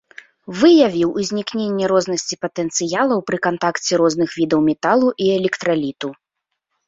Выявіў узнікненне рознасці патэнцыялаў пры кантакце розных відаў металу і электраліту.